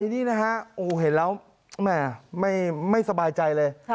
อย่างนี้นะฮะเห็นแล้วไม่สบายใจเลย